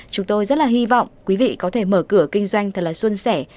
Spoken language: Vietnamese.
chúng tôi rất là hy vọng quý vị có thể mở cửa kinh doanh thật là xuân sẻ